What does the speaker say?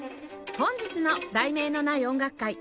本日の『題名のない音楽会』